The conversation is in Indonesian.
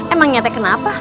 emang nyatanya kenapa